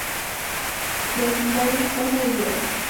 Del Sindarin: 'casa de Hierro'.